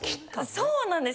そうなんです。